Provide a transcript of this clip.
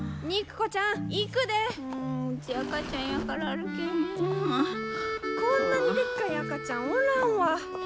こんなにでっかい赤ちゃんおらんわ！